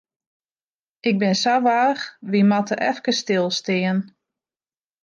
Ik bin sa warch, wy moatte efkes stilstean.